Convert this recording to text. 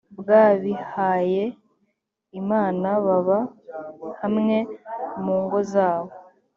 bw abihaye imana baba hamwe mu ngo zabo